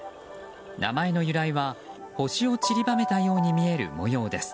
名前の由来は、星を散りばめたように見える模様です。